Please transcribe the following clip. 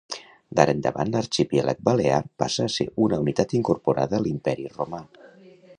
D'ara endavant l'arxipèlag balear passa a ser una unitat incorporada a l'Imperi romà.